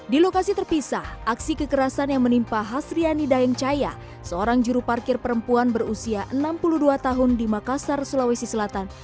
di lokasi terpisah aksi kekerasan yang menimpa hasriani daengcaya seorang juru parkir perempuan berusia enam puluh dua tahun di makassar sulawesi selatan